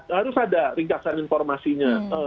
harus ada ringkasan informasinya